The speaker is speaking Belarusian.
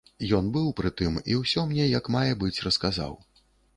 Ён быў пры тым і ўсё мне як мае быць расказаў.